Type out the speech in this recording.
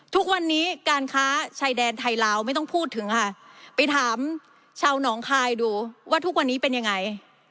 ทุกวันนี้การค้าชายแดนไทยลาวไม่ต้องพูดถึงค่ะไปถามชาวหนองคายดูว่าทุกวันนี้เป็นยังไง